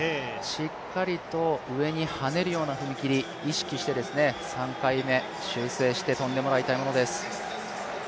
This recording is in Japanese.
しっかりと上に跳ねるような踏み切り意識して３回目、修正して跳んでもらいたいものです。